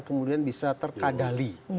kemudian bisa terkadali